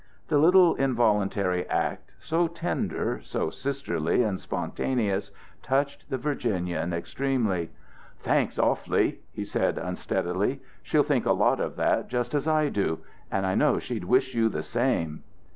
The little involuntary act, so tender, so sisterly and spontaneous, touched the Virginian extremely. "Thanks, awfully," he said unsteadily. "She'll think a lot of that, just as I do and I know she'd wish you the same."